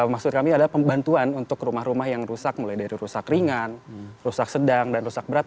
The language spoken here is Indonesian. maksud kami adalah pembantuan untuk rumah rumah yang rusak mulai dari rusak ringan rusak sedang dan rusak berat